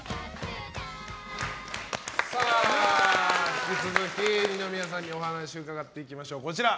引き続き、二宮さんにお話伺っていきましょう。